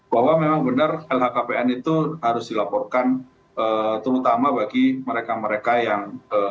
bahwa memang benar lhkpn itu harus dilaporkan terutama bagi mereka mereka yang